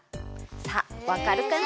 さあわかるかな？